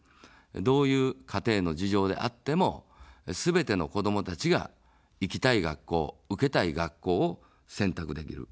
どういう家庭の事情であっても、すべての子どもたちが行きたい学校、受けたい学校を選択できる。